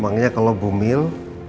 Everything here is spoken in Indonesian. emangnya kalau bu mil